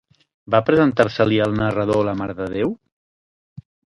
Va presentar-se-li al narrador la Mare de Déu?